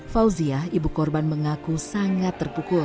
fauziah ibu korban mengaku sangat terpukul